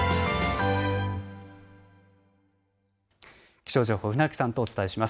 気象情報、船木さんとお伝えします。